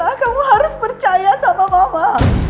gak salah kamu harus percaya sama mama